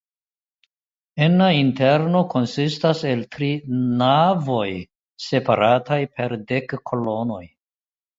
La interno konsistas el tri navoj separataj per dek kolonoj.